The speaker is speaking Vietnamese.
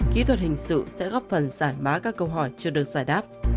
kỹ thuật hình sự sẽ góp phần giả má các câu hỏi chưa được giải đáp